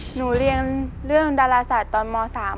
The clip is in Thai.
เรียนเรื่องดาราศาสตร์ตอนม๓